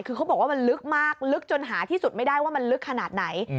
คือเขาบอกว่ามันลึกมากลึกจนหาที่สุดไม่ได้ว่ามันลึกขนาดไหน